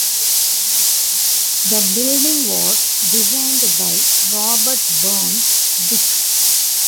The building was designed by Robert Burns Dick.